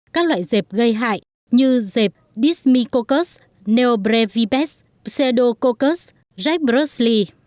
các loại dẹp gây hại như dẹp dismicoccus neobrevibus csetococcus jackbursley